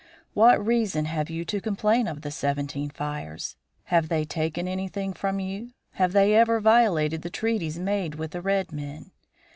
What reason have you to complain of the Seventeen Fires? Have they taken anything from you? Have they ever violated the treaties made with the red men?